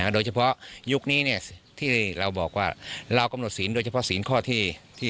โดยเฉพาะยุคนี้ที่เราบอกว่าเรากำหนดศีลโดยเฉพาะศีลข้อที่